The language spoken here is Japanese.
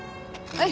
はい。